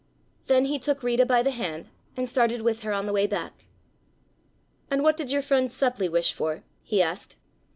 Then he took Rita by the hand and started with her on the way back. "And what did your friend Seppli wish for?" he asked.